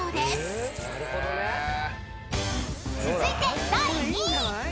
［続いて第２位］